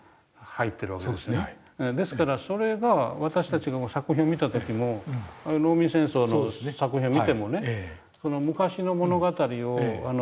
ですからそれが私たちが作品を見た時も農民戦争の作品を見てもね昔の物語を見てるという感じがしないし。